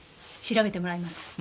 調べてもらいます。